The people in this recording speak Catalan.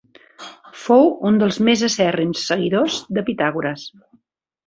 Fou un dels més acèrrims seguidors de Pitàgores.